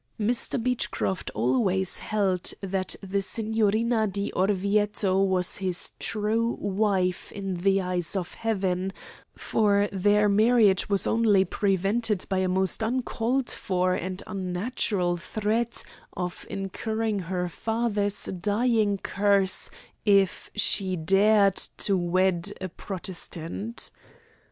"Mr. Beechcroft always held that the Signorina di Orvieto was his true wife in the eyes of Heaven, for their marriage was only prevented by a most uncalled for and unnatural threat of incurring her father's dying curse it she dared to wed a Protestant.